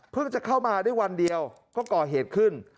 จะเข้ามาได้วันเดียวก็ก่อเหตุขึ้น